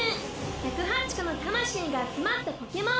１０８個の魂が集まったポケモン。